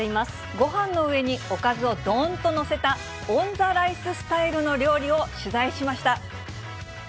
ごはんの上におかずをどーんと載せたオンザライススタイルの料理を取材しました。